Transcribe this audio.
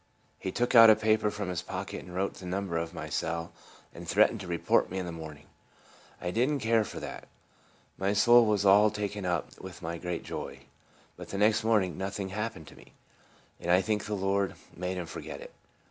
He took out a paper from his pocket and wrote the number of my cell, and threatened to re port me in the morning. But I did n't care for that. My soul was all taken up with my great joy. But the next morning nothing happened to me, and I think the Lord made him forget it.